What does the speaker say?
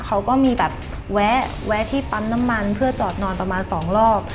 เขาก็มีแบบแวะที่ปั๊มน้ำมันเพื่อจอดนอนประมาณ๒รอบ